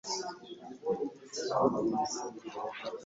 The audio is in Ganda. Ggwe owa ssente zo lwaki weegayirira otyo?